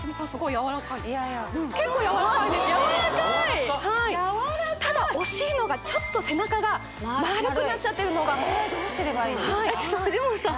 柔らかいただ惜しいのがちょっと背中がまるくなっちゃってるのが丸いあれはどうすればいいんですか・藤本さん